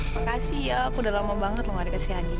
makasih ya aku udah lama banget gak dikasih hadiah